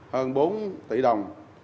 hơn bốn tỷ đồng